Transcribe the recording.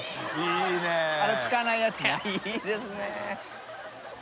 いいですね